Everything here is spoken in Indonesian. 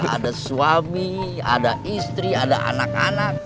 ada suami ada istri ada anak anak